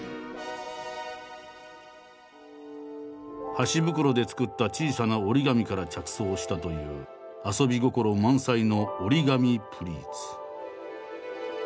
箸袋で作った小さな折り紙から着想したという遊び心満載の「折り紙プリーツ」。